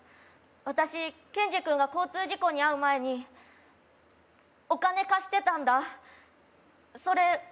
私ケンジ君が交通事故に遭う前にお金貸してたんだそれ